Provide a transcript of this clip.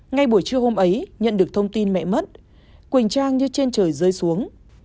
ngay buổi trưa hôm ấy nhận được thông tin mẹ mất quỳnh trang như trên trời rơi xuống